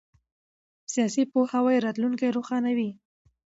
سیاسي پوهاوی راتلونکی روښانوي